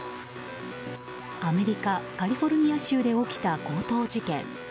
アメリカ・カリフォルニア州で起きた、強盗事件。